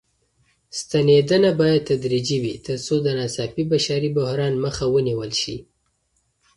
ستنېدنه بايد تدريجي وي تر څو د ناڅاپي بشري بحران مخه ونيول شي.